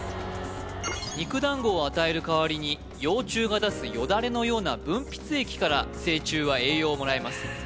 肉団子を与える代わりに幼虫が出すよだれのような分泌液から成虫は栄養をもらいます